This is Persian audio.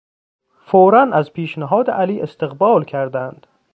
فورا از پیشنهاد علی استقبال کردند.